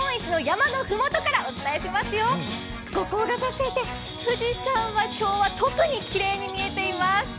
後光が差していて富士山は今日は特にきれいに見えています。